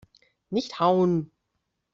Nicht hauen!